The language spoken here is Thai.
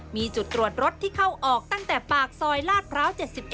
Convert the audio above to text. มีจุดตรวจรถที่เข้าออกตั้งแต่ปากซอยลาดพร้าว๗๑